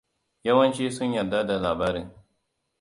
Yawanci sun yarda da labarin.